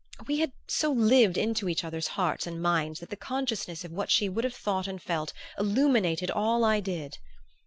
We had so lived into each other's hearts and minds that the consciousness of what she would have thought and felt illuminated all I did.